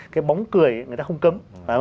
cái bóng cười người ta không cấm